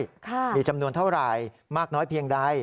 ค่ะมีจำนวนเท่าไหร่มากน้อยเพียงใด